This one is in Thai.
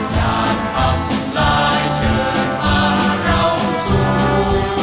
อยากทำลายเชิญทางเราสู่